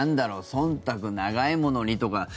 そんたく、長いものにとか。